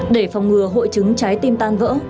để phòng ngừa hội chứng trái tim tan vỡ